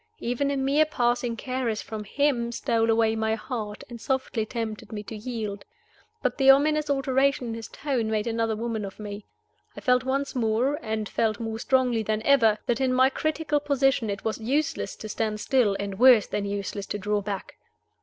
Even a mere passing caress from him stole away my heart, and softly tempted me to yield. But the ominous alteration in his tone made another woman of me. I felt once more, and felt more strongly than ever, that in my critical position it was useless to stand still, and worse than useless to draw back.